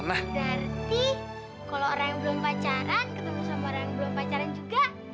berarti kalau orang yang belum pacaran ketemu sama orang yang belum pacaran juga